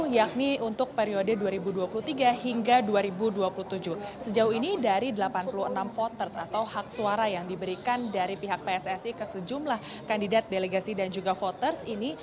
yakni untuk periode dua ribu dua puluh tiga hingga dua ribu dua puluh tujuh sejauh ini dari delapan puluh enam voters atau hak suara yang diberikan dari pihak pssi ke sejumlah kandidat delegasi dan juga voters ini